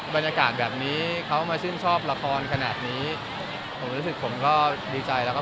บรรยากาศแบบนี้เขามาชื่นชอบละครขนาดนี้ผมรู้สึกผมก็ดีใจแล้วก็